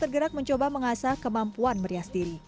tergerak mencoba mengasah kemampuan merias diri